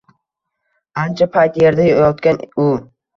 Ancha payt yerda yotgan u.